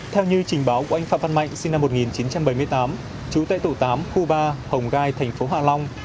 theo như trình báo của anh phạm văn mạnh sinh năm một nghìn chín trăm bảy mươi tám trú tại tủ tám khu ba hồng gai tp hạ long